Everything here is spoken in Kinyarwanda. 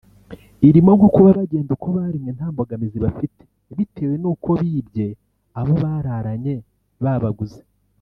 irimo nko kuba bagenda uko baremwe nta mbogamizi bafite bitewe n’uko bibye abo bararanye babaguze